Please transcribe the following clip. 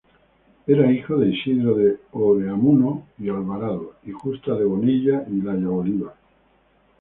Era hijo de Isidro de Oreamuno y Alvarado y Justa de Bonilla y Laya-Bolívar.